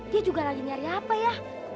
dia juga lagi nyari apa ya